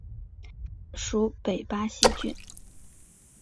属北巴西郡。